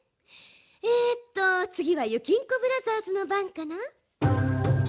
えとつぎはゆきんこブラザーズのばんかな。